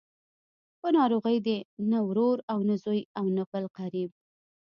په ناروغۍ دې نه ورور او نه زوی او نه بل قريب.